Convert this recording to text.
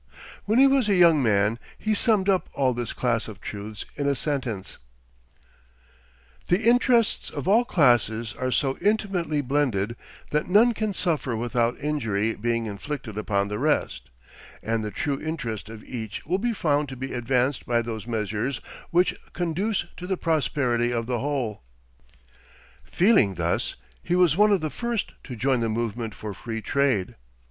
When he was a young man he summed up all this class of truths in a sentence: "The interests of all classes are so intimately blended that none can suffer without injury being inflicted upon the rest, and the true interest of each will be found to be advanced by those measures which conduce to the prosperity of the whole." Feeling thus, he was one of the first to join the movement for Free Trade.